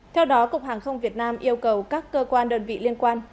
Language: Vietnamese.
theo đó cục hàng không việt nam yêu cầu các cơ quan đơn vị liên quan